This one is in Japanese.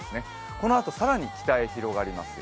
このあと、更に北へ広がりますよ。